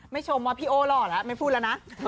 ไม่ชมว่าพี่โอหล่อแหละไม่พูดละนะ